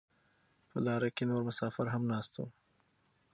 په لاره کې نور مسافر هم ناست وو.